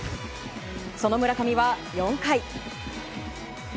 その村上は４回。